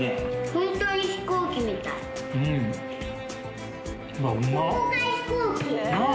本当に飛行機みたいうんあっ